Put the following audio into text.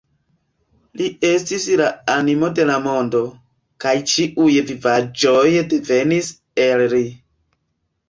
Li estis la animo de la mondo, kaj ĉiuj vivaĵoj devenis el li.